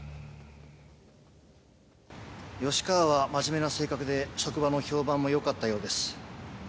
吉川は真面目な性格で職場の評判もよかったようです。